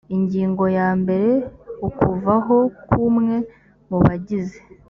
ingingo ya mbere ukuvaho kw umwe mu bagize